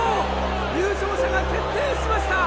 優勝者が決定しました！